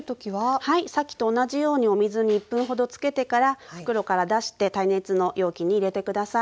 さっきと同じようにお水に１分ほどつけてから袋から出して耐熱の容器に入れて下さい。